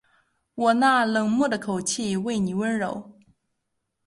我那冷漠的口气为妳温柔